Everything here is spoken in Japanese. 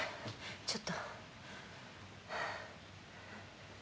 ちょっと。